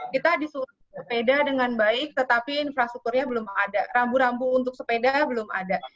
kita disuruh sepeda dengan baik tetapi infrastrukturnya belum ada rambu rambu untuk sepeda belum ada